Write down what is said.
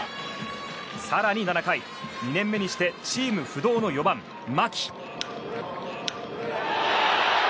更に７回、２年目にしてチーム不動の４番、牧。